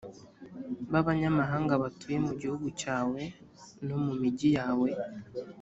b’abanyamahanga batuye mu gihugu cyawe no mu migi yawe.